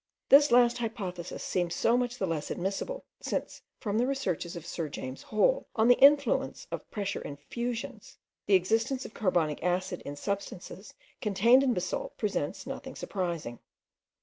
This last hypothesis seems so much the less admissible, since, from the researches of Sir James Hall on the influence of pressure in fusions, the existence of carbonic acid in substances contained in basalt presents nothing surprising.